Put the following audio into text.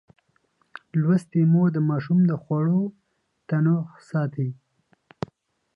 لوستې مور د ماشوم د خوړو تنوع ساتي.